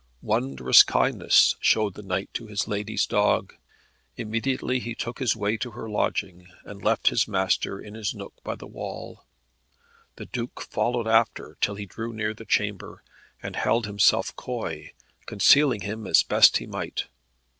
Wondrous kindness showed the knight to his lady's dog. Immediately he took his way to her lodging, and left his master in his nook by the wall. The Duke followed after till he drew near the chamber, and held himself coy, concealing him as best he might.